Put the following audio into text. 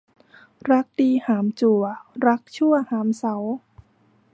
รักดีหามจั่วรักชั่วหามเสา